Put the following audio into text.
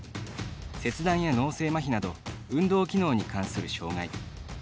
切断や脳性まひなど運動機能に関する障がい。